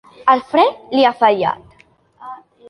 El fre li ha fallat.